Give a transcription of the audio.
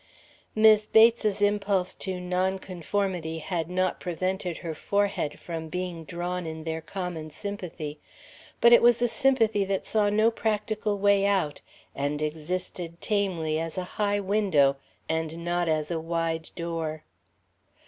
Mis' Bates's impulse to nonconformity had not prevented her forehead from being drawn in their common sympathy; but it was a sympathy that saw no practical way out and existed tamely as a high window and not as a wide door.